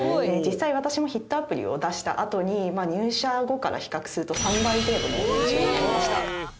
実際私もヒットアプリを出したあとに入社後から比較すると３倍程度の年収になりました。